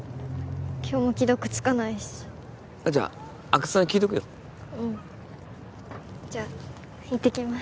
今日も既読つかないしあっじゃ阿久津さんに聞いとくようんじゃあ行ってきます